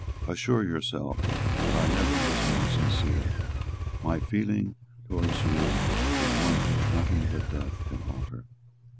Assure yourself that I never was more sincere. My feeling towards you is one which nothing but death can alter."